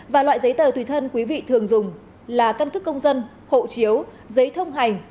và loại giấy tờ tùy thân quý vị thường dùng là căn cước công dân hộ chiếu giấy thông hành